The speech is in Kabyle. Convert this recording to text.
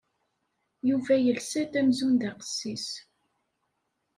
Yuba yelsa-d amzun d aqessis.